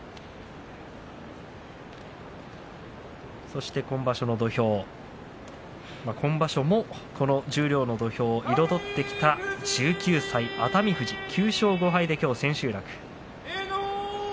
そして今場所の土俵今場所もこの十両の土俵を彩ってきた１９歳、熱海富士９勝５敗できょう千秋楽。